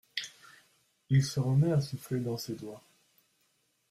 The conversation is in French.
Il se remet à souffler dans ses doigts.